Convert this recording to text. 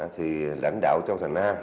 thì lãnh đạo trong thành a